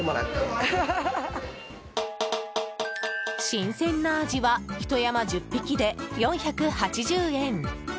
新鮮なアジはひと山１０匹で４８０円。